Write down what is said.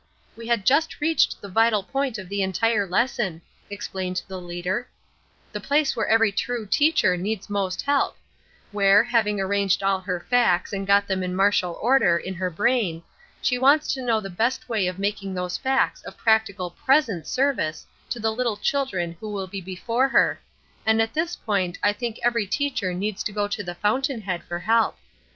"We had just reached the vital point of the entire lesson," explained the leader, "the place where every true teacher needs most help; where, having arranged all her facts and got them in martial order in her brain, she wants to know the best way of making those facts of practical present service to the little children who will be before her, and at this point I think every teacher needs to go to the fountain head for help.